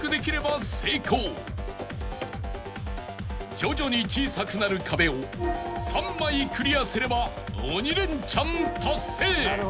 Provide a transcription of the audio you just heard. ［徐々に小さくなる壁を３枚クリアすれば鬼レンチャン達成］